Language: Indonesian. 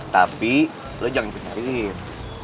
tapi lo jangan kejarin